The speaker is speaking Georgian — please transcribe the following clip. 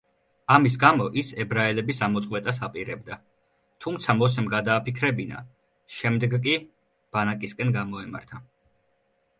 ამის გამო ის ებრაელების ამოწყვეტას აპირებდა, თუმცა მოსემ გადააფიქრებინა, შემდეგ კი ბანაკისკენ გამოემართა.